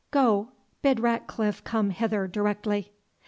"Go, bid Ratcliffe come hither directly."